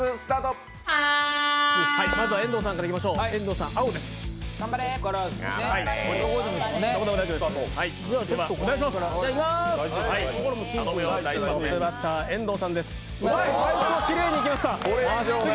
まずは遠藤さんからいきましょう、青です。